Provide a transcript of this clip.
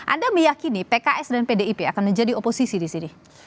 anda meyakini pks dan pdip akan menjadi oposisi di sini